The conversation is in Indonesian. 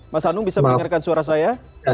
mas hanung bisa mendengarkan suara saya